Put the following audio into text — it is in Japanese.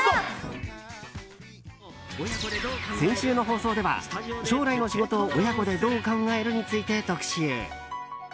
先週の放送では将来の仕事を親子でどう考える？について特集。